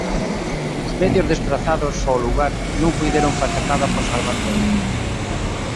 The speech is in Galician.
Os medios desprazados ao lugar non puideron facer nada por salvarlle a vida.